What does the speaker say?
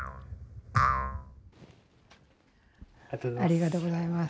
ありがとうございます。